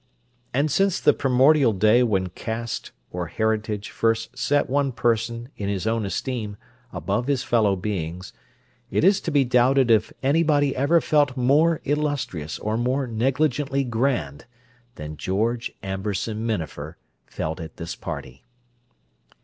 And since the primordial day when caste or heritage first set one person, in his own esteem, above his fellow beings, it is to be doubted if anybody ever felt more illustrious, or more negligently grand, than George Amberson Minafer felt at this party.